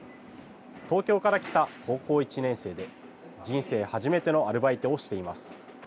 東京から来た高校１年生で、人生初めてのアルバイトをしています。